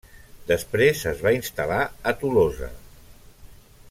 Després es van instal·lar a Tolosa.